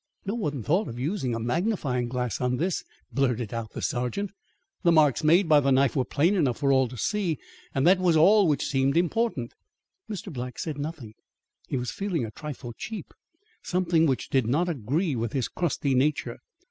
"No one thought of using a magnifying glass on this," blurted out the sergeant. "The marks made by the knife were plain enough for all to see, and that was all which seemed important." Mr. Black said nothing; he was feeling a trifle cheap; something which did not agree with his crusty nature.